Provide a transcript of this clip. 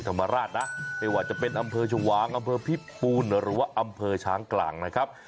ธรรมราชนะไม่ว่าจะเป็นอำเภอชวางอำเภอพิปูนหรือว่าอำเภอช้างกลางนะครับ